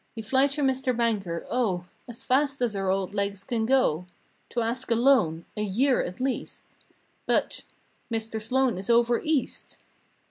We fly to Mr. Banker, Oh! As fast as our old legs can go To ask a loan—a year at least— But!!! "Mr. Sloan is over East!!"